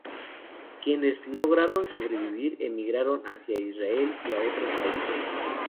Quienes lograron sobrevivir emigraron hacia Israel y a otros países.